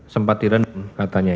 sempat direndam katanya ya